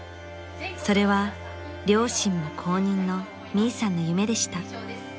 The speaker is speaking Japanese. ［それは両親も公認のミイさんの夢でした］